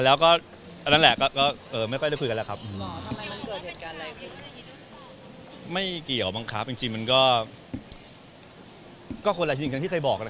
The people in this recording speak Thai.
หัวใจเหมือนเดิมก็ยังไงปกติครับก็โสดครับไม่มีอะไร